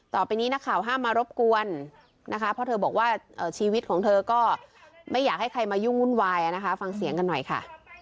ต่อไปนี้นักข่าวห้ามมารบกวนนะคะเพราะเธอบอกว่าชีวิตของเธอก็ไม่อยากให้ใครมายุ่งวุ่นวายนะคะฟังเสียงกันหน่อยค่ะ